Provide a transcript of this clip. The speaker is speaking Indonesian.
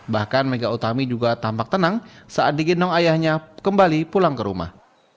bahkan mega utami juga tampak tenang saat digendong ayahnya kembali pulang ke rumah